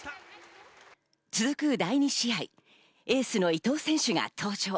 続く第２試合、エースの伊藤選手が登場。